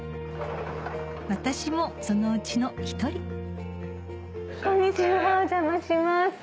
私もそのうちの１人こんにちはお邪魔します。